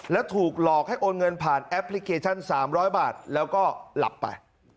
แล้วถูกหลอกให้โอนเงินผ่านแอปพลิเคชัน๓๐๐บาทแล้วก็หลับไป